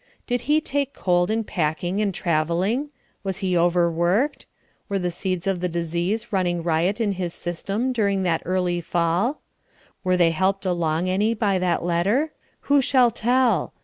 Did he take cold in packing and travelling? Was he overworked? Were the seeds of the disease running riot in his system during that early fall? Were they helped along any by that letter? Who shall tell?